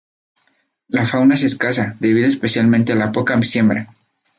La fauna es escasa, debido especialmente a la poca siembra.